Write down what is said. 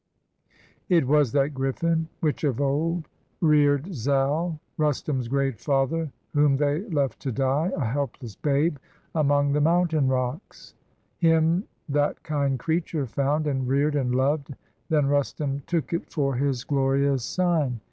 It was that grifl&n, which of old rear'd Zal, Rustum's great father, whom they left to die, A helpless babe, among the mountain rocks; Him that kind creature found, and rear'd, and lov'd: Then Rustum took it for his glorious sign.